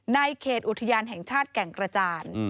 ในเขตอุทยานแห่งชาติแก่งกระจาน